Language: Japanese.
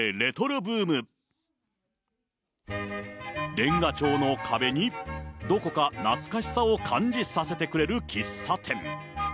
レンガ調の壁に、どこか懐かしさを感じさせてくれる喫茶店。